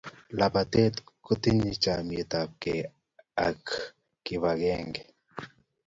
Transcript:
lapatet kotinyei chamyet apkei ak kipakenge